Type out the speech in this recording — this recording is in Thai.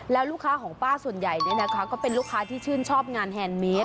แล้วลูกค้าของป้าส่วนใหญ่ก็เป็นลูกค้าที่ชื่นชอบงานแฮนดเมค